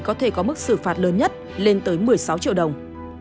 có thể có mức xử phạt lớn nhất lên tới một mươi sáu triệu đồng